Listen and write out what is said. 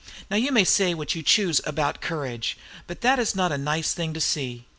Now you may say what you choose about courage, but that is not a nice thing to see.